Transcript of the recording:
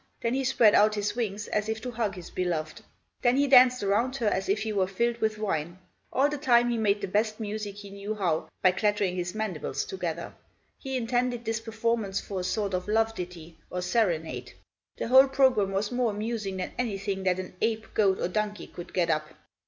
Then he spread out his wings, as if to hug his beloved. Then he danced around her, as if he were filled with wine. All the time he made the best music he knew how, by clattering his mandibles together. He intended this performance for a sort of love ditty, or serenade. The whole program was more amusing than anything that an ape, goat, or donkey could get up.